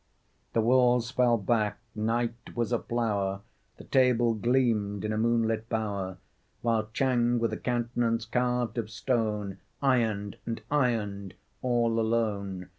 The walls fell back, night was aflower, The table gleamed in a moonlit bower, While Chang, with a countenance carved of stone, Ironed and ironed, all alone.